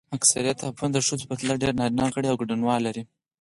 اکثریت اپونه د ښځو پرتله ډېر نارینه غړي او ګډونوال لري.